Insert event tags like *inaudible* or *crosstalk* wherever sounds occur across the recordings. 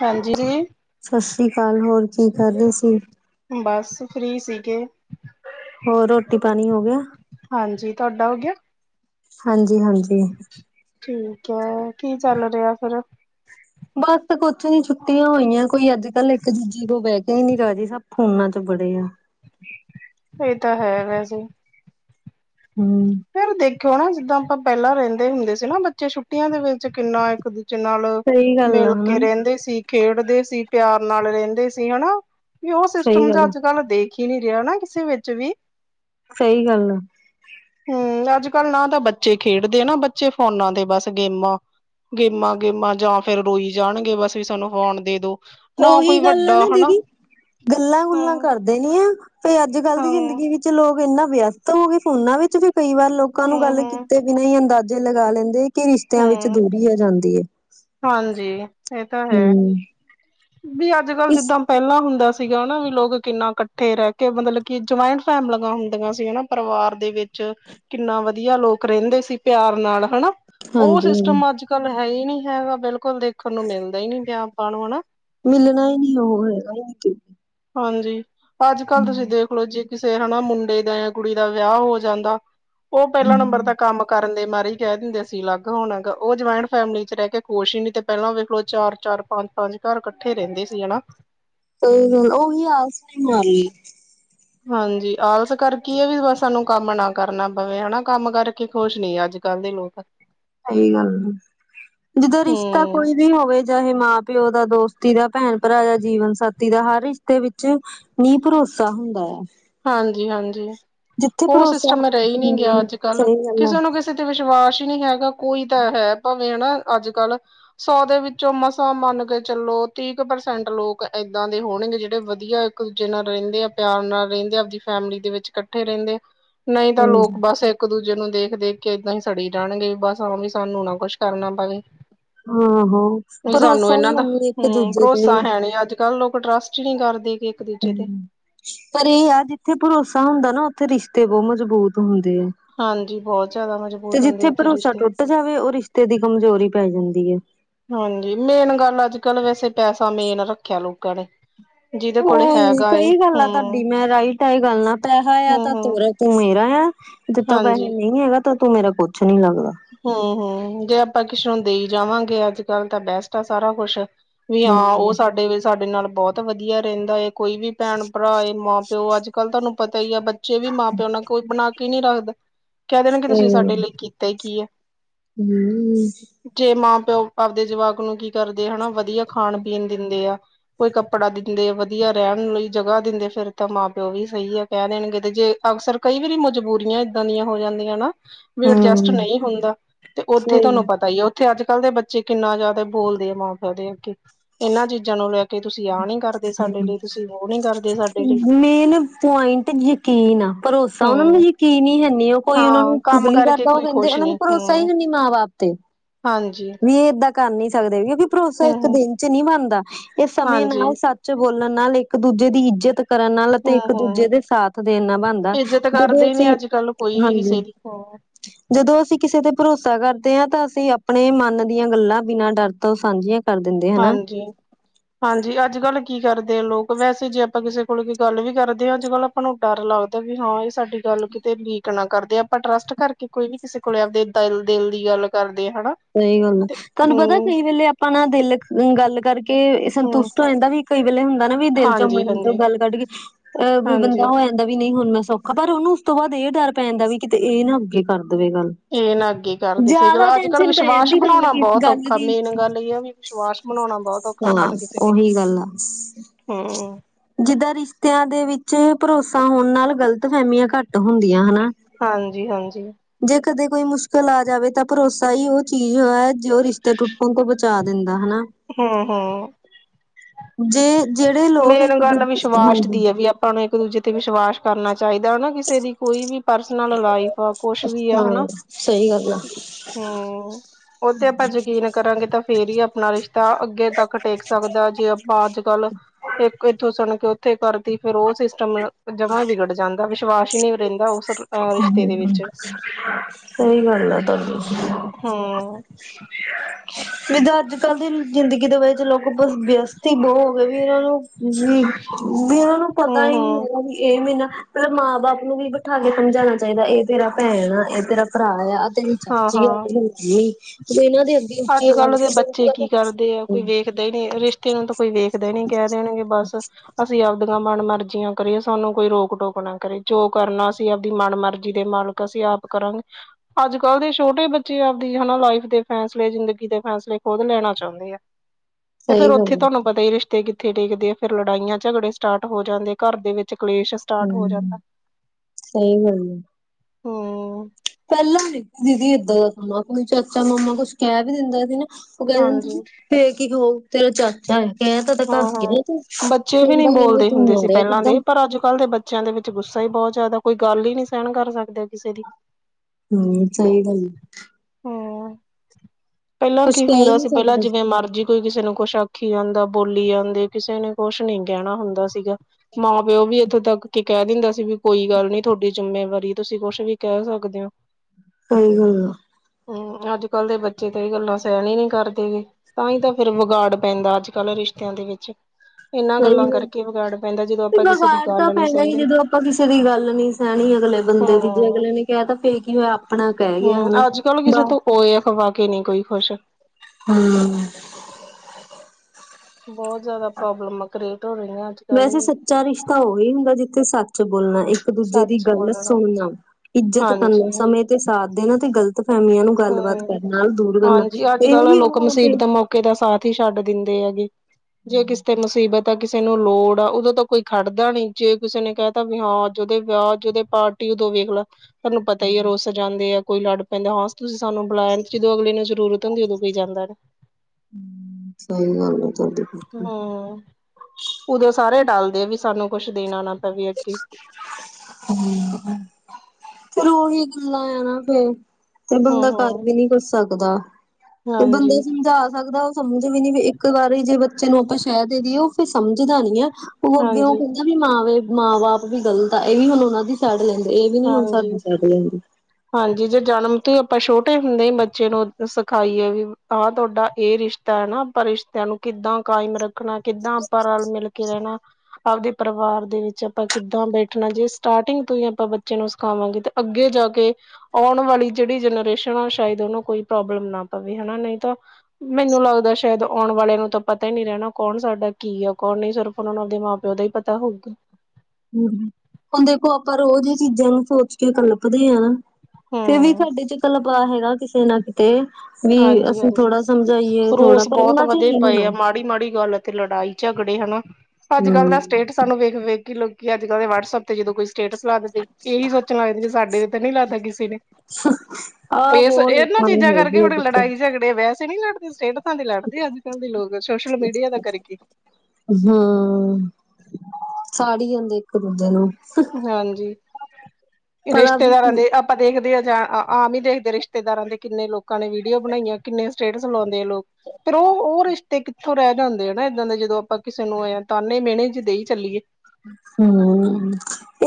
ਹਾਂਜੀ ਜੀ ਸਸਰੀ ਕਾਲ, ਹੋਰ ਕੀ ਕਰ ਰਏ ਸੀ? ਬਸ ਫ੍ਰੀ ਸੀਗੇ। ਹੋਰ ਰੋਟੀ-ਪਾਣੀ ਹੋ ਗੇਆ? ਹਾਂਜੀ ਧੋਡਾ ਹੋ ਗੇਆ? ਹਾਂਜੀ-ਹਾਂਜੀ। ਠੀਕ ਐ ਕੀ ਚੱਲ ਰੇਆ ਫੇਰ? ਬਸ ਕੁਛ ਨੀ ਛੁੱਟੀਆਂ ਹੋਈਆਂ ਕੋਈ ਅੱਜ-ਕੱਲ ਇੱਕ-ਦੂਜੇ ਕੋਲ ਬੈ ਕੇ ਈ ਨੀ ਰਾਜੀ ਸਭ ਫੋਨਾਂ ਚ ਬੜੇ ਆ। ਏ ਤਾਂ ਹੈ ਵੈਸੇ। ਹੂੰ। ਫੇਰ ਦੇਖੇਓ ਨਾ ਜੀਦਾਂ ਆਪਾਂ ਪੈਲਾਂ ਰੈਂਦੇ ਹੁੰਦੇ ਸੀ ਨਾ ਬੱਚੇ ਛੁੱਟੀਆਂ ਦੇ ਵੇਚ ਕੀਨਾ ਏਕ ਦੁ ਜੇ ਨਾਲ, ਸਹੀ ਗੱਲ ਆ ਮੇਲ ਹਨਾ ਕੇ ਰੈਦੇ ਸੀ, ਖੇਡਦੇ ਸੀ, ਪਿਆਰ ਨਾਲ ਰੈਂਦੇ ਸੀ ਹਨਾ। ਵੀ ਓ ਸਹੀ ਸੀਸਟਮ ਜਾਂ ਗੱਲ ਆ ਅੱਜ-ਕੱਲ ਦੇਖ ਈ ਨੀ ਰੇਆ ਨਾ ਕੀਸੇ ਵੇਚ ਵੀ। ਸਈ ਗੱਲ ਆ। ਹੂੰ ਅੱਜ-ਕੱਲ ਨਾ ਤਾਂ ਬੱਚੇ ਖੇਡਦੇ ਨਾ ਬੱਚੇ ਫੋਨਾ ਤੇ ਬਸ ਗੇਮਾਂ ਗੇਮਾਂ-ਗੇਮਾਂ ਜਾਂ ਫੇਰ ਰੋਈ ਜਾਣਗੇ ਬਸ ਵੀ ਸਾਨੂੰ ਫੋਨ ਦੇ ਦੋ। ਨਾ ਓਹੀ ਕੋਈ ਗੱਲ ਐ ਵੱਡਾ ਨਾ ਹਨਾ ਦੀਦੀ, ਗੱਲਾਂ-ਗੁੱਲਾਂ ਹਾਂ ਕਰ ਕਰਦੇ ਨੀ ਆ, ਤੇ ਅੱਜ-ਕੱਲ ਹਾਂ ਦੀ ਹੂੰ, ਜ਼ਿੰਦਗੀ ਵੇਚ ਲੋਕ ਐਨਾ ਵੇਅਸਤ ਹੋ ਗਏ ਫੋਨਾ ਵੇਚ ਵੀ ਕਈ ਵਾਰ ਲੋਕ ਲੋਕਾਂ ਨੂੰ ਗੱਲ ਹੂੰ-ਹੂੰ, ਕੀਤੇ ਬੀਨਾ ਹੀ ਅੰਦਾਜ਼ੇ ਲਗਾ ਲੈਂਦੇ ਕੀ ਰੀਸ਼ਤੇਆਂ ਵੇਚ ਹੂੰ, ਦੂਰੀ ਆ ਜਾਂਦੀ ਏ। ਹਾਂਜੀ, ਏ ਤਾਂ ਹੈ, ਵੀ ਅੱਜ-ਕੱਲ ਇਸ ਜੀਦਾ ਪੈਲਾਂ ਹੁੰਦਾ ਸੀਗਾ ਹਨਾ ਵੀ ਲੋਕ ਕੀਨਾ ਕੱਠੇ ਰੈ ਕੇ ਮਤਲ ਕੇ ਜੋਐਂਟ ਫੈਮਲੀਆਂ ਹੁੰਦੀਆਂ ਸੀ ਹਨਾ ਪਰਵਾਰ ਦੇ ਵੇਚ ਕੀਨਾ ਵਦੀਆ ਲੋਕ ਰਈਂਦੇ ਸਨ, ਪਿਆਰ ਨਾਲ, ਹਨਾ। ਓ ਹਾਂਜੀ ਹਾਂ ਸੀਸਟਮ ਅੱਜ-ਕੱਲ ਹੈ ਈ ਨੀ ਹੈ ਬੇਲਕੁਲ ਵੀ ਦੇਖਣ ਨੂੰ ਮਿਲਦਾ ਈ ਨੀ ਪੇਆ ਆਪਾ ਨੂੰ ਹਨਾ। ਮੀਲਣਾ ਈ ਨੀ ਓ ਹੈਗਾ ਈ ਨੀ ਕੇ ਹਾਂਜੀ ਅੱਜ-ਕੱਲ ਤੁਸੀਂ ਦੇਖਲੋ ਜੀ ਕਿਸੇ ਹਨਾ ਮੁੰਡੇ ਦਾ ਜਾਂ ਕੁੜੀ ਦਾ ਵੇਆ ਹੋ ਜਾਂਦਾ ਓ ਪੈਂਲਾ ਨੰਬਰ ਤਾ ਕੰਮ ਕਰਨ ਦੇ ਮਾਰੇ ਈ ਕਹਿ ਦਿੰਦੇ ਆ, ਅਸੀ ਅਲੱਗ ਹੋਣਾਗਾ, ਉਹ ਜੁਆਇੰਟ ਫੈਮਿਲੀ'ਚ ਰਹਿਕੇ ਖੁਸ਼ ਹੀ ਨੀ ਤੇ ਪਹਿਲਾਂ ਵੇਖਲੋ ਚਾਰ-ਚਾਰ, ਪੰਜ-ਪੰਜ ਘਰ ਕੱਠੇ ਰਹਿੰਦੇ ਸੀ, ਹਣਾ। ਸਹੀ ਗੱਲ, ਓਹੀ ਆਲਸ ਦੀ ਮਾਰੀ। ਹਾਂਜੀ, ਆਲਸ ਕਰਕੇ ਆ ਵੀ ਬ ਸਾਨੂੰ ਕੰਮ ਨਾ ਕਰਨਾ ਪਵੇ, ਹਨਾ ਕੰਮ ਕਰਕੇ ਖੁਸ਼ ਨੀ ਅੱਜ-ਕੱਲ ਦੇ ਲੋਕ। ਸਹੀ ਗੱਲ ਆ, ਜਿਦਾਂ ਰਿਸ਼ਤਾ ਹੂੰ ਕੋਈ ਵੀ ਹੋਵੇ ਚਾਹੇ ਮਾਂ-ਪਿਓ ਦਾ ਦੋਸਤੀ ਦਾ, ਭੈਣ-ਭਰਾ ਜਾਂ ਜੀਵਨ ਸਾਥੀ ਦਾ ਹਰ ਰਿਸ਼ਤੇ ਵਿੱਚ ਨੀਂ ਭਰੋਸਾ ਹੁੰਦਾ ਯਾ। ਹਾਂਜੀ-ਹਾਂਜੀ, ਉਹ ਭਰੋਸਾ ਸਿਸਟਮ ਰਹਿ ਈ ਨਹੀਂ ਗਿਆ ਹਮ ਅੱਜ-ਕੱਲ, ਸਹੀ ਗੱਲ ਆ ਕਿਸੇ ਨੂੰ ਕਿਸ ਕਿਸੇ ਤੇ ਵਿਸ਼ਵਾਸ ਹੀ ਨਹੀਂ ਹੈਗਾ, ਕੋਈ ਤਾ ਹੈ ਭਾਵੇਂ ਹਨਾ ਅੱਜ-ਕੱਲ। ਸੌ ਦੇ ਵਿੱਚੋਂ ਮਸਾਂ ਮੰਨਕੇ ਚਲੋ, ਤੀਹ ਕੁ ਪਰਸੈਂਟ ਲੋਕ ਏਦਾਂ ਦੇ ਹੋਣਗੇ ਜਿਹੜੇ ਵਧੀਆ ਇੱਕ-ਦੂਜੇ ਨਾਲ ਰਹਿੰਦੇ ਆ, ਪਿਆਰ ਨਾਲ ਰਹਿੰ ਆਪਦੀ ਫੈਮਿਲੀ ਦੇ ਵਿੱਚ ਇਕੱਠੇ ਰਹਿੰਦੇ, ਨਹੀਂ ਤਾਂ ਹਾਂਜੀ, ਲੋਕ ਬਸ ਇੱਕ-ਦੂਜੇ ਨੂੰ ਦੇਖ-ਦੇਖਕੇ ਏਦਾਂ ਈ ਸੜੀ ਜਾਣਗੇ, ਬਸ ਹਾਂ ਵੀ ਸਾਨੂੰ ਨਾ ਕੁਛ ਕਰਨਾ ਪਵੇ। ਆਹੋ ਵੀ ਸਾਨੂੰ ਭਰੋਸਾ ਹੀ ਇਹਨਾਂ ਦਾ ਹੈਨੀ ਇੱਕ ਹੂੰ, ਦੂਜੇ ਤੇ ਭਰੋਸਾ ਹੈ ਨਹੀਂ ਅੱਜ ਕੱਲ ਲੋਕ ਟਰੱਸਟ ਹੀ ਨਹੀਂ ਕਰਦੇ, ਇੱਕ-ਦੂਜੇ ਤੇ। ਹਮ, ਪਰ ਇਹ ਆ, ਜਿੱਥੇ ਭਰੋਸਾ ਹੁੰਦਾ ਨਾ ਉੱਥੇ ਰਿਸ਼ਤੇ ਬਹੁਤ ਮਜ਼ਬੂਤ ਹੁੰਦੇ ਆ। ਹਾਂਜੀ, ਬਹੁਤ ਜ਼ਿਆਦਾ ਤੇ ਮਜ਼ਬੂਤ ਹੁੰਦੇ ਆ ਜਿੱਥੇ ਇੱਥੇ ਭਰੋਸਾ ਰਿਸ਼ਤੇ। ਟੁੱਟ ਜਾਵੇ, ਉਹ ਰਿਸ਼ਤੇ ਦੀ ਕਮਜ਼ੋਰੀ ਪੈ ਜਾਂਦੀ ਏ। ਹਾਂਜੀ, ਮੇਨ ਗੱਲ ਅੱਜ-ਕੱਲ ਵੈਸੇ ਪੈਸਾ ਮੇਨ ਰੱਖਿਆ, ਲੋਕਾਂ ਨੇ। ਜਿਹਦੇ ਕੋਲੇ ਓਹੀ ਹੈਗਾ ਏ ਸਹੀ ਗੱਲ ਆ ਹੂੰ ਤੁਹਾਡੀ, ਮੈਂ ਰਾਈਟ ਆ ਇਹ ਗੱਲ ਨਾ ਪੈਸਾ ਆ ਹੂੰ ਤਾਂ ਹੂੰ ਤੋਰਾ ਤੂੰ ਮੇਰਾ ਯਾਂ। ਜਿੱਤੋਂ ਹਾਂਜੀ ਪੈਸੇ ਨਹੀਂ ਹੈਗਾ, ਤਾਂ ਉ ਤੂੰ ਮੇਰਾ ਕੁੱਛ ਨੀ ਲੱਗਦਾ। ਹੂੰ-ਹੂੰ, ਜੇ ਆਪਾਂ ਕਿਸਨੂੰ ਦੇਈ ਜਾਵਾਂਗੇ ਅੱਜ-ਕੱਲ ਤਾਂ ਬੈਸਟ ਆ ਸਾਰਾ ਕੁਛ। ਵੀ ਆ, ਉਹ ਹਮ ਸਾਡੇ ਵਿੱਚ ਸਾਡੇ ਨਾਲ ਬਹੁਤ ਵਧੀਆ ਰਹਿੰਦਾ ਏ, ਕੋਈ ਵੀ ਭੈਣ ਭਰਾ ਏ, ਮਾਂ-ਪਿਓ, ਅੱਜ-ਕੱਲ ਤੁਹਾਨੂੰ ਪਤਾ ਈ ਆ, ਬੱਚੇ ਵੀ ਮਾਂ-ਪਿਓ ਨਾਲ ਕੋਈ ਬਣਾਕੇ ਨਹੀਂ ਰੱਖਦਾ। ਕਹਿ ਦੇਣਗੇ, ਕਿ ਤੁਸੀਂ ਸਾਡੇ ਲਈ ਕੀਤਾ ਈ ਕੀ ਆ? ਹੂੰ। ਜੇ ਮਾਂ-ਪਿਓ ਆਪਦੇ ਜਵਾਕ ਨੂੰ ਕੀ ਕਰਦੇ ਹਨਾ, ਵਧੀਆ ਖਾਣ-ਪੀਣ ਦਿੰਦੇ ਆ। ਕੋਈ ਕੱਪੜਾ ਦਿੰਦੇ, ਵਧੀਆ ਰਹਿਣ ਲਈ ਜਗ੍ਹਾ ਦਿੰਦੇ ਫੇਰ ਤਾਂ ਮਾਂ-ਪਿਓ ਵੀ ਸਹੀ ਆ। ਕਹਿ ਦੇਣਗੇ ਤੇ ਜੇ, ਅਕਸਰ ਕਈ ਵਾਰੀ ਮਜਬੂਰੀਆਂ ਏਦਾਂ ਦੀਆਂ ਹੋ ਜਾਂਦੀਆਂ ਨਾ ਵੀ ਐਡਜਸਟ ਹਮ ਨਹੀਂ ਹੁੰਦਾ, ਤੇ ਉੱਥੇ ਤੁਹਾਨੂੰ ਸਹੀ ਪਤਾ ਈ ਆ ਉੱਥੇ ਅੱਜ-ਕੱਲ ਦੇ ਬੱਚੇ ਕਿੰਨਾ ਜ਼ਿਆਦਾ ਬੋਲਦੇ ਆ ਮਾਂ-ਪਿਓ ਦੇ ਅੱਗੇ, ਇਹਨਾਂ ਚੀਜ਼ਾਂ ਨੂੰ ਲੈਕੇ ਹੂੰ, ਨੀ ਕਰਦੇ ਸਾਡੇ ਲਈ ਮੇਨ ਪੁਆਇੰਟ ਕੀ ਯਕੀਨ ਆ, ਭਰੋਸਾ ਉਹਨਾਂ ਨੂੰ ਹਮ ਯਕੀਨ ਹੀ ਹੈ ਨਹੀਂ, ਉਹ ਕੋਈ ਉਹਨਾਂ ਹਾਂ ਨੂੰ ਕੰਮ ਚੁਗਲੀ ਕਰਕੇ ਕਰਦਾ ਕੋਈ ਹੋਵੇ ਕਹਿੰਦੇ ਖੁਸ਼ ਉਹਨਾਂ ਨੂੰ ਭਰੋਸਾ ਹੈ ਨੀ, ਮਾਂ-ਬਾਪ 'ਤੇ। ਹਾਂਜ ਵੀ ਇਹ ਏਦਾਂ ਕਰ ਨੀ ਸਕਦੇ, ਕਿਉਂਕਿ ਭਰੋਸਾ ਹਮ ਇੱਕ ਹਮ ਦਿਨ 'ਚ ਨਹੀਂ ਬਣਦਾ, ਇਹ ਸਮੇਂ ਹਾਂਜੀ ਨਾਲ ਸ 'ਚ ਬੋਲਣ ਨਾਲ ਇੱਕ-ਦੂਜੇ ਦੀ ਇੱਜਤ ਕਰਨ ਨਾਲ, ਅਤੇ ਹਮ ਹਮ ਇੱਕ-ਦੂਜੇ ਦੇ ਸਾਥ ਦੇਣ ਨਾਲ ਬਣਦਾ, ਇੱਜਤ ਕਰਦੇ ਜਦੋਂ ਹੀ ਨੀ ਅਸੀਂ, ਅੱਜ ਕੱਲ ਕੋਈ ਵੀ ਹਾਂਜੀ ਕਿਸੇ ਦੀ ਜਦੋਂ ਅਸੀਂ ਕਿਸੇ ਤੇ ਭਰੋਸਾ ਕਰਦੇ ਆਂ, ਤਾਂ ਅਸੀ ਅਪਣੇ ਮਨ ਦੀਆਂ ਗੱਲਾਂ, ਬਿਨਾਂ ਡਰ ਤੋਂ ਸਾਂਝੀਆਂ ਕਰ ਦਿੰਦੇ ਹਨਾ ਹਾਂਜੀ। ਹਾਂਜੀ, ਅੱਜ-ਕੱਲ ਕੀ ਕਰਦੇ ਆ ਲੋਕ ਵੈਸੇ ਜੇ ਆਪਾਂ ਕਿਸੇ ਕੋਲ ਕੋਈ ਗੱਲ ਵੀ ਕਰਦੇ ਆ, ਅੱਜ-ਕੱਲ ਆਪਾਂ ਨੂੰ ਡਰ ਲੱਗਦਾ ਵੀ, ਹਾਂ ਇਹ ਸਾਡੀ ਗੱਲ ਕਿਤੇ ਲੀਕ ਨਾ ਕਰਦੇ ਆਪਾਂ ਟਰੱਸਟ ਕਰਕੇ ਕੋਈ ਵੀ ਕਿਸੇ ਕੋਲ ਆਪਦੇ ਦਿਲ, ਦਿਲ ਦੀ ਗੱਲ ਕਰਦੇ ਹਣਾ। ਸਹੀ ਗੱਲ ਆ, ਤੁਹਾਨੂੰ ਪਤਾ ਕਈ ਵੇਲੇ ਆਪਾਂ ਨਾ ਦਿਲ ਅ ਗੱਲ ਕਰਕੇ, ਹਮ ਸੰਤੁਸ਼ਟ ਹੋ ਜਾਂਦਾ ਵੀ ਕਈ ਵੇਲੇ ਹੁੰਦਾ ਨਾ ਵੀ ਦਿਲ ਚੋਂ ਹਾਂਜੀ ਮਨ‌ ਚੋਂ ਹਾਂਜੀ ਗੱਲ ਕੱਢ ਕੇ ਬਈ ਬੰਦਾ ਹਾਂਜੀ ਹੋ ਦਾ ਵੀ ਨਹੀਂ ਹੁਣ ਮੈਂ ਸੌਖਾ ਪਰ ਉਹਨੂੰ ਉਸ ਤੋਂ ਬਾਦ ਇਹ ਡਰ ਪੈਂ ਜਾਂਦਾ ਵੀ ਕਿਤੇ ਇਹ ਨਾ ਅੱਗੇ ਕਰ ਦਵੇ ਗੱਲ। ਇਹ ਨਾ ਅੱਗੇ ਕਰਦੇ ਸਹੀ ਗੱਲ ਜ਼ਿਆਦਾ ਐ ਅੱਜ-ਕੱਲ ਟੈਨਸ਼ਨ ਪੈ ਵਿਸ਼ਵ ਵਾਸ ਜਾਂਦੀ ਗੱਲ ਬਣਾਉਣਾ ਕੀ ਬਹੁਤ ਗੱਲ ਔਖਾ ਦੀ। ਮੇਨ ਗੱਲ ਏਹ ਆ ਵੀ ਵਿਸ਼ਵਾਸ ਬਣਾਉਣਾ ਬਹੁਤ ਔਖਾ ਆਪਾਂ ਨੂੰ। ਓਹੀ ਗੱਲ ਆ। ਹੂੰ। ਜਿੱਦਾਂ ਰਿਸ਼ਤਿਆਂ ਦੇ ਵਿੱਚ ਭਰੋਸਾ ਹੋਣ ਨਾਲ ਗ਼ਲਤਫਹਿਮੀਆਂ ਘੱਟ ਹੁੰਦੀਆਂ ਹਨਾ। ਹਾਂਜੀ, ਹਾਂਜੀ। ਜੇ ਕਦੇ ਕੋਈ ਮੁਸ਼ਕਿਲ ਆ ਜਾਵੇ ਤਾਂ ਭਰੋਸ ਸਾ ਹੀ ਉਹ ਚੀਜ਼ ਆ ਜੋ ਰਿਸ਼ਤੇ ਟੁੱਟਣ ਤੋਂ ਬਚਾ ਦਿੰਦਾ ਹਨਾ। ਹੂੰ, ਹੂੰ। ਜੇ ਜੇ ਮੇਨ ਗੱਲ ਵਿਸ਼ਵਾਸ ਦੀ ਐ ਵੀ ਆਪਾਂ ਨੂੰ ਇੱਕ-ਦੂਜੇ ਤੇ ਵਿਸ਼ਵਾਸ ਕਰਨਾ ਚਾਹੀਦਾ ਹਨਾ। ਕਿਸੇ ਦੀ ਕੋਈ ਵੀ ਪਰਸਨਲ ਲਾਈਫ ਆ, ਕੁਛ ਵੀ ਆ ਹਨਾ ਹਾਂ ਸਹੀ ਗੱਲ ਆ, ਹੂੰ, ਉਹ ਤੇ ਆਪਾਂ ਯਕੀਨ ਕਰਾਂਗੇ ਤਾਂ ਫੇਰ ਹੀ ਆਪਣਾ ਰਿਸ਼ਤਾ ਅੱਗੇ ਤੱਕ ਟਿਕ ਸਕਦਾ ਜੇ ਆਪਾਂ ਅੱਜ-ਕੱਲ ਇਕ ਇੱਥੋਂ ਸੁਣ ਕੇ ਉੱਥੇ ਕਰਤੀ ਫੇਰ ਉਹ ਸਿਸਟਮ ਜਮਾਂ ਹੀ ਵਿਗੜ ਜਾਂਦਾ ਵਿਸ਼ਵਾਸ ਹੀ ਨਹੀਂ ਓ ਰਹਿੰਦਾ ਉ ਹੂੰ, ਸਹੀ ਗੱਲ ਆ ਤੁਹਾਡੀ ਹਮ *inaudible* ਜਿੱਦਾ ਅੱਜ-ਕੱਲ੍ਹ ਦੀ ਜ਼ਿੰਦਗੀ ਦੇ ਵਿੱਚ ਲੋਕ ਬਸ ਵਿਅਸਤ ਹੀ ਬਹੁਤ ਹੋ ਗਏ ਵੀ ਇਨਾਂ ਨੂੰ ਵੀ ਵੀ ਉਨਾਂ ਨੂੰ ਪਤਾ ਹਮ ਹੀ ਨਹੀਂ ਹਮ ਹੈਗਾ ਵੀ ਇਹ ਮੇਰੇ ਨਾ ਪਹਿਲਾ ਮਾਂ ਬਾਪ ਨੂੰ ਵੀ ਬਟ ਬਠਾ ਕੇ ਸਮਝਾਣਾ ਚਾਹੀਦਾ ਇਹ ਤੇਰਾ ਭੈਣ ਆ, ਇਹ ਤੇਰਾ ਭਰਾ ਏ ਆ। ਤੇਰੀ ਹਾਂ ਚਾਚੀ ਆ, ਹਾਂ ਤੇਰੀ ਕੀ‌ ਤੂੰ ਇਨਾਂ ਦੇ ਅੱਗੇ ਉੱਚੀ ਅੱਜ ਕੱਲ੍ਹ ਆਵਾਜ਼ ਦੇ ਚ ਬੱਚੇ ਕੀ ਗੱਲ *unintelligible* ਕਰਦੇ ਆ ਕੋਈ ਵੇਖਦਾ ਹੀ ਨੀ ਰਿਸ਼ਤੇ ਨੂੰ ਤਾਂ ਕੋਈ ਵੇਖਦਾ ਹੀ ਨੀ ਕਹਿ ਦੇਣਗੇ ਬਸ ਅਸੀਂ ਆਪਦੀਆਂ ਮਨ-ਮਰਜ਼ੀਆਂ ਕਰੀਏ ਸਾਨੂੰ ਕੋਈ ਰੋਕ-ਟੋਕ ਨਾ ਕਰੇ ਜੋ ਕਰਨਾ ਅਸੀਂ ਆਪਦੀ ਮਨ ਮਰਜੀ ਦੇ ਮਾਲ ਕ ਅਸੀਂ ਆਪ ਕਰਾਂਗੇ। ਅੱਜ-ਕਲ ਦੇ ਛੋਟੇ ਬੱਚੇ ਆਪਦੀ ਹਨਾ ਲਾਈਫ ਦੇ ਫੈਸਲੇ ਜ਼ਿੰਦਗੀ ਦੇ ਫੈਸਲੇ ਖੁਦ ਲੈਣਾ ਚਾਹੁੰਦੇ ਆ। *inaudible* ਤੇ ਫੇਰ ਗੱਲ ਉੱਥੇ ਹੈ ਤੁਹਾਨੂੰ? ਪਤਾ ਹੀ ਰਿਸ਼ਤੇ ਕਿੱਥੇ ਟੇਕਦੇ ਆ ਫੇਰ ਲੜਾਈਆਂ ਝਗੜੇ ਸਟਾਰਟ ਹੋ ਜਾਂਦੇ ਆ ਘਰ ਦੇ ਵਿੱਚ ਕਲੇਸ਼ ਸਟਾਰਟ ਹੋ ਹਮ ਜਾਂਦਾ, ਸਹੀ ਗੱਲ ਹੈ ਹੂੰ। ਪਹਿਲਾਂ ਨੀ ਸੀ ਦੀਦੀ ਏਦਾ ਦਾ ਸਮਾਂ ਕੋਈ ਚਾਚਾ, ਮਾਮਾ ਕੁਛ ਕਹਿ ਵੀ ਦਿੰਦਾ ਸੀ ਨਾ। ਹਾਂਜੀ *unintelligible* ਤੇਰਾ ਚਾਚਾ ਐ ਕਹਿ ਤਾਂ ਘਰ ਹਾਂ-ਹਾਂ ਬੱਚੇ ਵੀ ਨਹੀਂ ਬੋਲਦੇ ਹੁੰਦੇ ਸੀ ਪਹਿਲਾਂ ਦੇ ਪਰ ਅੱਜ *unintelligible* ਕੱਲ੍ਹ ਦੇ ਬੱਚਿਆਂ ਦੇ ਵਿੱਚ ਗੁੱਸਾ ਹੀ ਬਹੁਤ ਜ਼ਿਆਦਾ ਕੋਈ ਗੱਲ ਹੀ ਨੀ ਸਹਿਣ ਕਰ ਸਕਦਾ ਐ ਕਿਸੇ ਦੀ। ਹੂੰ ਸਹੀ ਗੱਲ ਐ। ਹੂੰ, ਪਹਿਲਾਂ ਕੁਛ ਕੀ ਕਹਿ ਹੀ ਹੁੰਦਾ ਨਹੀਂ ਸੀ ਪਹਿਲਾਂ ਸਕਦੇ। ਜਿਵੇਂ ਮਰਜੀ ਕੋਈ ਕਿਸੇ ਨੂੰ ਕੁਛ ਆਖੀ ਜਾਂਦਾ ਬੋਲੀ ਜਾਂਦੇ ਕਿਸੇ ਨੇ ਕੁਛ ਨਈ ਕਹਿਣਾ ਹੁੰਦਾ ਸੀਗਾ। ਮਾਂ ਪਿਓ ਵੀ ਇੱਥੋਂ ਤੱਕ ਕੇ ਕਹਿ ਦਿੰਦਾ ਸੀ ਵੀ ਕੋਈ ਗੱਲ ਨਹੀਂ ਤੁਹਾਡੀ ਜਿੰਮੇਵਾਰੀ ਤੁਸੀਂ ਕੁਛ ਵੀ ਕਹਿ ਸਕਦੇ ਹੋ। ਸਹੀ ਗੱਲ ਆ ਹੂੰ, ਅੱਜ ਕੱਲ ਦੇ ਬੱਚੇ ਤਾਂ ਇਹ ਗੱਲਾਂ ਸਹਿਣ ਹੀ ਨੀ ਕਰਦੇ ਤਾਂ ਹੀ ਤਾਂ ਫੇਰ ਵਿਗਾੜ ਪੈਂਦਾ ਅੱਜ ਕੱਲ੍ਹ ਰਿਸ਼ਤਿਆਂ ਦੇ ਵਿੱਚ ਇਹਨਾਂ ਸਹੀ ਗੱਲਾਂ ਐ ਕਰਕੇ ਵਿਗਾੜ ਪੈਂਦਾ ਜਦੋਂ ਤੇ ਆਪਾਂ ਕਿਸੇ ਦੀ ਵਿਗਾੜ ਤਾਂ ਗੱਲ ਨਹੀਂ ਪੈਣਾ ਹੀ ਸਹਿੰਦੇ ਜਦੋਂ ਆਪਾਂ ਕਿਸੇ ਦੀ ਗੱਲ ਨਹੀਂ ਸਹਿਣੀ ਅਗਲੇ ਬੰਦੇ ਦੀ ਜੇ ਹਮ ਅਗਲੇ ਨੇ ਕਹਿਤਾ ਫੇਰ ਕੀ ਹੋਇਆ ਆਪਣਾ ਕਹਿ ਗਿਆ ਹੂੰ, ਹਨਾ। ਅੱਜ ਕੱਲ ਕਿਸੇ ਬਸ ਤੋਂ ਓਏ ਅਖਵਾ ਕੇ ਨੀ ਕੋਈ ਖੁਸ਼। ਹਮ। ਬਹੁਤ ਜ਼ਿਆਦਾ, ਪ੍ਰੋਬਲਮਾਂ ਕਰੀਏਟ ਹੋ ਰਹੀਆਂ ਅੱਜ। ਕੱਲ ਵੈਸੇ ਹੀ। ਸੱਚਾ ਰਿਸ਼ਤਾ ਉਹੀ ਹੁੰਦਾ, ਜਿੱਥੇ ਸੱਚ ਬੋਲਣਾ, ਇੱਕ ਦੂਜੇ ਦੀ ਸੱਚ ਗੱਲ ਬੋਲਣਾ ਸੁਣਨਾ। ਇੱਜਤ ਹਾਂਜੀ ਕਰਨਾ, ਸਮੇਂ ਤੇ ਸਾਥ ਦੇਣਾ ਤੇ ਗ਼ਲਤ ਫਹਿਮੀਆਂ ਨੂੰ ਗੱਲਬਾਤ ਹੂੰ। ਕਰਨਾ, ਨਾਲ ਦੂਰ ਕਰਨਾ, ਹਾਂਜੀ, ਅੱਜ ਇਹ ਕੱਲ ਨੀ ਲੋਕ ਆ ਕੇ ਮੁਸੀਬਤ ਮੌਕੇ ਦਾ ਸਾਥ ਹੀ ਛੱਡ ਦਿੰਦੇ ਹੈਗੇ, ਜੇ ਕਿਸੇ ਤੇ ਮੁਸੀਬਤ ਤਾਂ ਕਿਸੇ ਨੂੰ ਲੋੜ ਆ ਉਦੋਂ ਤਾਂ ਕੋਈ ਖੜਦਾ ਨੀ, ਜੇ ਕਿਸੇ ਨੇ ਕਹਿ ਤਾ ਵੀ ਹਾਂ, ਜਦੇ ਵਿਆਹ ਜਦੇ ਪਾਰਟੀ ਟੀ ਉਦੋਂ ਵੇਖ ਲ, ਤੁਹਾਨੂੰ ਪਤਾ ਹੀ ਹੈ ਰੁਸ ਜਾਂਦੇ ਆ, ਕੋਈ ਲੜ ਪੈਂਦੇ ਆ ਹਾਂ ਤੁਸੀਂ ਸਾਨੂੰ ਬੁਲਾਇਆ ਨੀ, ਜਦੋਂ ਅਗਲੇ ਨੂੰ ਜ਼ਰੂਰਤ ਹੁੰਦੀ ਉਦੋਂ ਕੋਈ ਜਾਂਦਾ ਨੀਂ। ਸਹੀ ਗੱਲ ਏ ਤੁਹਾਡੀ। ਹੂੰ, ਉਦੋਂ ਸਾਰੇ ਟਾਲਦੇ, ਆ ਵੀ ਸਾਨੂੰ ਕੁਛ ਦੇਣਾ ਨਾ ਪਵੇ ਅੱਗੇ। ਫਿਰ, ਉਹੀ ਗੱਲਾਂ ਆ ਨਾ ਫੇਰ ਤੇ ਬੰਦਾ ਕਰ ਹੂੰ-ਹੂੰ। ਵੀ ਨਹੀਂ ਕੁਛ ਸਕਦਾ, ਤੇ ਹਾਂਜੀ, ਬੰਦਾ ਸਮਝਾ ਸਕਦਾ ਸਮਝ ਵੀ ਨੀ, ਇੱਕ ਵਾਰੀ ਜੇ ਬੱਚੇ ਨੂੰ ਆਪਾਂ ਸ਼ਹਿ ਦੇ ਦੀਈਏ, ਉਹ ਫਿਰ ਸਮਝਦਾ ਨੀ ਹੈ ਉਹ ਅੱਗੇਓ ਹਾਂਜੀ, ਕਹਿੰਦੇ ਵੀ ਮਾਂ ਬਾਪ ਵੀ ਗਲਤ ਆ, ਇਹ ਵੀ ਹੁਣ ਉਹਨਾਂ ਦੀ ਸਾਈਡ ਲੈਂਦੇ, ਇਹ ਵੀ ਨੀ ਹੁਣ ਸਾਡੀ ਹਾਂਜੀ। ਸਾਈਡ ਲੈਂਦੇ। ਹਾਂਜੀ, ਜੇ ਜਨਮ ਤੋਂ ਹੀ ਆਪਾਂ, ਛੋਟੇ ਹੁੰਦੇ ਹੀ ਬੱਚੇ ਨੂੰ ਸਿਖਾਈਏ ਵੀ- ਆਹ ਤੁਹਾਡਾ ਇਹ ਰਿਸ਼ਤਾ ਹੈ, ਨਾ ਆਪਾਂ ਰਿਸ਼ਤਿਆਂ ਨੂੰ ਕਿੱਦਾਂ ਕਾਇਮ ਰੱਖਣਾ, ਕਿੱਦਾਂ ਆਪਾਂ ਰਲ ਮਿਲ ਰਹਿਣਾ। ਆਪਦੇ ਪਰਿਵਾਰ ਦੇ ਵਿੱਚ ਆਪਾਂ ਕਿੱਦਾਂ ਬੈਠਣਾ, ਜੇ ਸਟਾਰਟਿੰਗ ਤੋਂ ਹੀ ਆਪਾਂ ਬੱਚੇ ਨੂੰ ਸਿਖਾਵਾਂਗੇ ਤੇ, ਅੱਗੇ ਜਾ ਕੇ ਆਉਣ ਵਾਲੀ ਜਿਹੜੀ ਜਨਰੇਸ਼ਨ ਆ ਸ਼ਾਇਦ, ਉਹਨੂੰ ਕੋਈ ਪ੍ਰੋਬਲਮ ਨਾ ਪਵੇ, ਹਨਾ। ਨਹੀਂ ਤਾਂ ਮੈਨੂੰ ਲੱਗਦਾ ਸ਼ਾਇਦ, ਆਉਣ ਵਾਲੇ ਨੂੰ ਤਾਂ ਪਤਾ ਹੀ ਨਹੀ ਰਹਿਣਾ, ਕੌਣ ਸਾਡਾ ਕੀ ਆ, ਕੌਣ ਨਹੀਂ, ਸਿਰਫ ਹੁਣ, ਉਹਨਾਂ ਦੇ ਮਾਂ ਪਿਓ ਦਾ ਹੀ ਪਤਾ ਹੋਊਗਾ। ਹਮ ਹੁਣ ਦੇਖੋ, ਆਪਾਂ ਰੋਜ਼ ਹੀ ਚੀਜ਼ਾਂ ਨੂੰ ਸੋਚ ਕੇ ਕਲਪਦੇ ਆ। ਫੇ ਵੀ ਹੂੰ, ਸਾਡੇ 'ਚ, ਲਗਾਵ ਹੈਗਾ ਕਿਸੇ ਨਾ ਕਿਤੇ। ਵੀ ਹਾਂਜੀ ਅਸੀਂ ਹਾਂਜੀ, ਥੋੜਾ ਸਮਝਾਈਏ ਰੋਸ ਥੋੜਾ ਪਰ ਬਹੁਤ ਉਹਨਾਂ ਚ ਵਧੇ ਨਹੀਂ ਪਏ ਹੋਣਾ ਆ, ਮਾੜੀ-ਮਾੜੀ ਗੱਲ ਤੇ ਲੜਾਈ ਝਗੜੇ ਹਨਾ। ਅੱਜ ਕਲ ਹਮ ਦਾ ਸਟੇਟਸਾ, ਸਾਨੂੰ ਵੇਖ-ਵੇਖ ਕੇ ਲੋਕੀ ਅੱਜ ਕਲ ਦੇ, ਵਟਸਅਪ ਤੇ ਜਦੋਂ ਸਟੇਟਸ ਲਾ ਦਿੱਤੀ, ਇਹੀ ਸੋਚਣ ਲੱਗਦੇ, ਕਿ ਸਾਡੇ ਤੇ ਤਾਂ ਨ ਨਹੀਂ ਲਾਤਾ ਕਿਸੇ ਨੇ। ਆਹ ਇਸ, ਬਹੁਤ ਇਹ ਨਾ ਲੋਕਾਂ ਨੂੰ ਚੀਜ਼ਾਂ ਕਰਕੇ ਹੈਗੀ ਆ ਦਿੱਕਤ ਲੜਾਈ ਝਗੜੇ ਵੈਸੇ ਨੀ ਲੜਦੇ ਅੱਜ ਕੱਲ ਦੇ ਲੋਕ, ਸਟੇਟਸਾਂ ਦੀ ਲੜਦੇ ਅੱਜ ਕੱਲ੍ਹ ਦੇ ਲੋਕ, ਸੋਸ਼ਲ ਮੀਡੀਆ ਦਾ ਕਰਕੇ। ਹਮ, ਸਾੜੀ ਜਾਂਦੇ ਇੱਕ ਦੂਜੇ ਨੂੰ। ਹਾਂਜੀ, ਪਤਾ ਰਿਸ਼ਤੇਦਾਰਾਂ ਵੀ ਦੇ ਆਪਾਂ ਦੇਖਦੇ ਹ, ਜਾਂ ਆਮ ਹੀ ਦੇਖਦੇ ਰਿਸ਼ਤੇਦਾਰ ਰਿਸ਼ਤੇਦਾਰਾਂ ਦੇ ਕਿੰਨੇ ਲੋਕਾਂ ਨੇ ਵੀਡੀਓ ਬਣਾਈਆਂ, ਕਿੰਨੇ ਸਟੇਟਸ ਲੋਂਦੇ ਆ ਲੋਕ, ਪਰ ਓ ਰਿਸ਼ਤੇ ਕਿੱਥੋਂ ਰੈ ਜਾਂਦੇ ਆ ਨਾ, ਐਦਾਂ ਦੇ ਜਦੋਂ ਆਪਾਂ ਕਿਸੇ ਨੂੰ, ਐ ਤਾਂਨੇ ਮੇਣੇ ਜੇ ਦੇਈ ਚੱਲੀਏ। ਹੂੰ,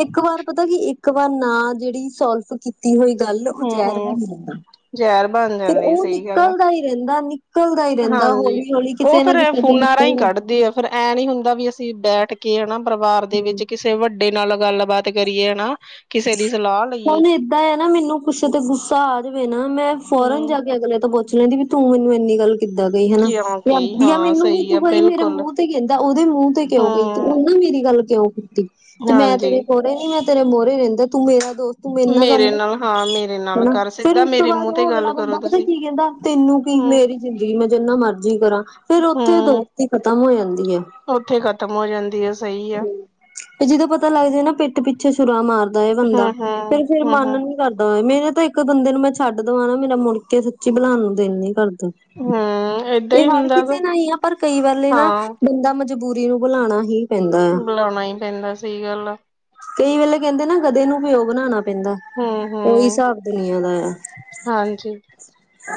ਇੱਕ ਵਾਰ ਪਤਾ ਕੀ, ਇੱਕ ਵਾਰ ਨਾ ਜੇੜੀ ਸੋਲਫ ਕੀ ਤੀ ਹੋਈ ਗੱਲ, ਓ ਹੂੰ ਜੈਰ ਹੂੰ ਬਨ ਜਾਂਦਾ, ਜ਼ਹਿਰ ਬਣ ਫਿਰ ਜਾਂਦੀ ਓ ਸਹੀ ਗੱਲ ਆ ਨਿਕਲਦਾ ਈ ਰੈਂਦਾ, ਨਿਕ ਲਦਾ ਈ ਰੈਂਦਾ ਹਾਂਜੀ ਹੌਲੀ-ਹੌਲੀ, ਉਹ ਕਿਤੇ ਨਾ ਫੇਰ ਕਿਤੇ ਤੇ ਫੋਨਾਂ ਰਾਹੀਂ ਨਿਕਲਦਾ। ਕੱਢਦੇ ਆ ਫੇਰ ਐਂ ਨੀ ਹੁੰਦਾ ਵੀ ਅਸੀਂ ਬੈਠ ਕੇ, ਹਨਾ ਪਰਿਵਾਰ ਦੇ ਵਿੱਚ ਕਿਸ ਤੇ ਵੱਡੇ ਨਾਲ ਗੱਲਬਾਤ ਕਰੀਏ ਨਾ, ਕਿਸੇ ਦੀ ਸਲਾ ਹੁਣ ਏਦਾਂ ਐ ਨਾ, ਮੈਨੂੰ ਕੁਸ ਤੇ ਗੁੱਸਾ ਆ ਜਾਵੇ ਨਾ, ਮੈਂ ਫੋਰਨ ਜਾ ਹੂੰ ਕੇ ਅਗਲੇ ਤੋਂ *unintelligible* ਪੁੱਛ ਲੈਂਦੀ ਵੀ, ਤੂੰ ਮੈਨੂੰ ਏਨੀ ਗੱਲ ਕਿੱਦਾਂ ਕਈ, ਹਨਾ। ਕਿਉਂਕਿ ਦੀ ਆ ਹਾਂ ਮੈਨੂੰ ਵੀ ਸਹੀ ਤੂੰ ਆ ਬਈ ਮੇਰੇ ਬਿਲਕੁਲ ਮੂੰਹ ਤੇ ਕੈਂਦਾ, ਓਦੇ ਮੂੰਹ ਤੇ ਕਿਉਂ ਕਈ ਤੂੰ, ਹੂੰ ਉਨਾਂ ਮੇਰੀ ਗੱਲ ਕਿਉਂ ਕੀਤੀ। ਤੇ ਮੈਂ ਹਾਂਜੀ ਤੇਰੇ ਮੌਰੇ ਨੀ, ਮੈਂ ਤੇਰੇ ਮੋਰੇ ਰੈਂਦਾ, ਤੂੰ ਮੇਰਾ ਦੋਸ ਤੂੰ ਮੇਰੇ ਨਾਲ ਗੱਲ ਕਰਨਾ ਹਾਂ ਮੇਰੇ ਨਾਲ ਹਨਾ, ਕਰ ਫੇਰ ਸਿੱਧਾ ਉਸ ਤੋਂ ਮੇਰੇ ਬਾਦ ਮੂੰਹ ਤੇ ਓ ਅਗਲਾ ਗੱਲ ਕਰੋ ਬੰਦਾ, ਪਤਾ ਤੁਸੀਂ ਕੀ ਕੈਂਦਾ ਤੈਨੂੰ ਕੀ ਹੂੰ ਮੇਰੀ ਜ਼ਿੰਦਗੀ, ਮੈਂ ਜਿੰਨਾ ਮਰਜ਼ੀ ਕਰਾਂ, ਫੇਰ ਉੱਥੇ ਦੋਸਤੀ ਖ਼ਤਮ ਹੋ ਜਾਂਦੀ ਏ। ਓਥੇ ਖਤਮ ਹੋ ਜਾਂਦੀ ਐ। ਹੂੰ ਤੇ ਜਦੋਂ ਪਤਾਂ ਲੱਗ ਜੇ ਨਾ ਪੇ ਤੇ ਪਿੱਛੇ ਛੁਰਾ ਮਾਰਦਾ ਏ ਹੂੰ ਬੰਦਾਂ, ਹੂੰ ਫੇਰ-ਫੇਰ ਹੂੰ ਮਨ ਹੂੰ ਨੀ ਕਰਦਾ ਓ ਮੇਰੇ ਤੇ ਇੱਕ ਬੰਦੇ ਨੂੰ ਮੈਂ ਛੱਡ ਦਵਾਂ ਮੇਰਾ ਮੁੜ ਕੇ ਸੱਚੀ ਬੁਲਾਣ ਨੂੰ ਦਿਲ ਨੀ ਕਰਦਾ। ਹੂੰ ਏਦਾਂ ਏ ਹੀ ਹਰ ਹੁੰਦਾ ਗਾ ਕਿਸੇ ਨਾ ਈ ਆ, ਪਰ ਕਈ ਵਾਲ਼ੇ ਨਾ ਹਾਂ ਬੰਦਾਂ ਮਜ ਮਜ਼ਬੂਰੀ ਨੂੰ ਬੁਲਾਣਾ ਹੀ ਪੈਂਦਾ ਆ ਬੁਲਾਣਾ ਈ ਪੈਂਦਾਂ, ਸਈ ਗੱਲ਼ ਆ। ਕਈ ਵੇਲੇ ਕੈਂਦੇ ਨਾ ਗਦੇ ਨੂੰ ਪਿਓ ਬਣਾਣਾ ਪੈਂਦਾ। ਓਈ ਹੂੰ-ਹੂੰ, ਹਿਸਾਬ ਦੁਨੀਆਂ ਦਾ ਆ। ਹਾਂਜੀ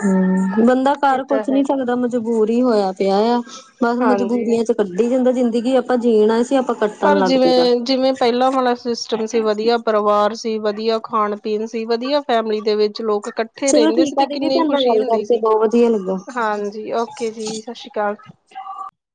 ਹੂੰ, ਬੰਦਾਂ ਇਹ ਕਰ ਤਾਂ ਕੁੱਛ ਹੈ ਨੀਂ ਸਕਦਾਂ ਮਜਬੂਰ ਈ ਹੋਇਆਂ ਪਿਆ ਆ। ਬਸ ਹਾਂਜੀ। ਮਜਬੂਰੀਆਂ ਚ ਕੱਟੀ ਜਾਂਦਾ ਜ਼ਿੰਦਗੀ, ਆਪਾਂ ਜੀਣ ਆਏਂ ਸੀ ਆਪਾਂ ਕੱਟਣ ਪਰ ਲੱਗ ਪਏਦਾ। ਜਿਵੇਂ-ਜਿਵੇਂ ਪਹਿਲਾਂ ਵਾਲਾਂ ਸਿਸਟਮ ਸੀਂ, ਵਧੀਆਂ ਪਰਿਵਾਰ ਸੀ ਵਧੀਆਂ ਖਾਣ ਪੀਣ ਸੀ, ਵਧੀਆਂ ਫੈਮਲੀ ਦੇ ਵਿੱਚ ਲੋਕ ਇਕੱਠੇ ਚਲੋ ਰੈਂਦੇ ਸੀਂ ਠੀਕ ਆ ਤੇ ਦੀਦੀ ਕਿੰਨੀਂ ਤੁਹਾਡੇ ਨਾਲ ਖੁਸ਼ੀ ਗੱਲ ਹੁੰਦੀ ਕਰਕੇ ਸੀ। ਬਹੁ ਵਧੀਆਂ ਲੱਗਾ। ਹਾਂਜੀ, ਓਕੇ ਜੀ ਸਾਸ਼ੀ ਸ਼੍ਰੀ ਕਾਲ।